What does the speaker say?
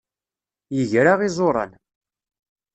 Yegra iẓuran.